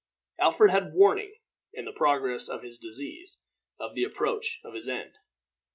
Alfred had warning, in the progress of his disease, of the approach of his end.